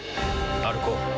歩こう。